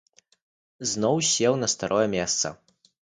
Зноў сеў на старое месца.